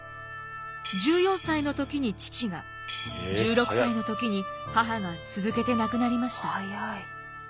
１４歳の時に父が１６歳の時に母が続けて亡くなりました。